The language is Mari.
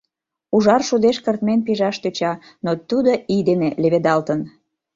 Ужар шудеш кыртмен пижаш тӧча, но тудо ий дене леведалтын.